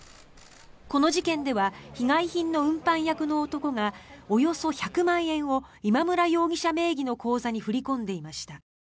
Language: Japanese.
この事件では被害品の運搬役の男がおよそ１００万円を今村容疑者名義の口座に振り込んでいました。